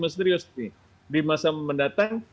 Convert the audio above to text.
men serius nih di masa mendatang